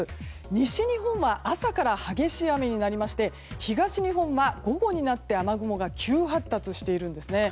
西日本は朝から激しい雨になりまして東日本は午後になって雨雲が急発達しているんですね。